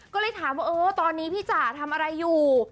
ก็เลยถามว่าเออตอนนี้พี่จ๋าทำอะไรอยู่